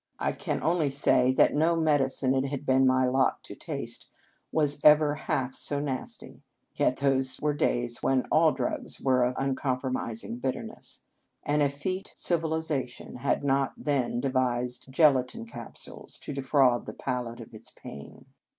I can only say that no medicine it had been my lot to taste was ever half so nasty ; yet those were days when all drugs were of uncompromising bitter ness. An effete civilization had not then devised gelatine capsules to de fraud the palate of its pain.